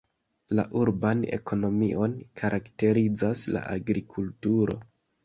La urban ekonomion karakterizas la agrikulturo.